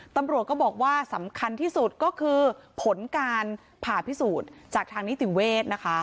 ตำรวจก็บอกว่าสำคัญที่สุดก็คือผลการผ่าพิสูจน์จากทางนิติเวศนะคะ